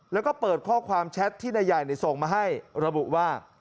แล้วก็เปิดข้อความแชทที่นายใหญ่ส่งมาให้ระบุว่า